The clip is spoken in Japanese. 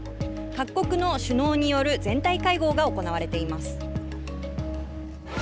各国の首脳による全体会合が行われています。